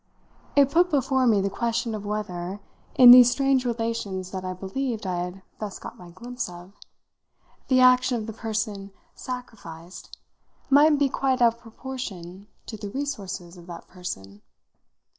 It put before me the question of whether, in these strange relations that I believed I had thus got my glimpse of, the action of the person "sacrificed" mightn't be quite out of proportion to the resources of that person.